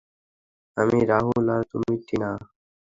আমি রাহুল আর তুমি টিনা।